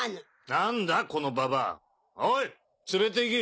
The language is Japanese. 何だこのババアおい連れていけ！